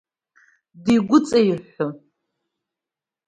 Дигәыҵаиҳәҳәон…